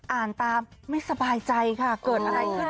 อ่านตามไม่สบายใจค่ะเกิดอะไรขึ้น